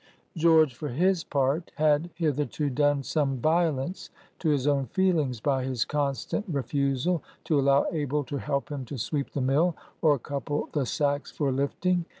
George, for his part, had hitherto done some violence to his own feelings by his constant refusal to allow Abel to help him to sweep the mill or couple the sacks for lifting.